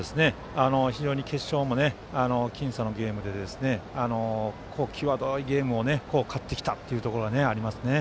非常に決勝も僅差のゲームで際どいゲームを勝ってきたというところがありますね。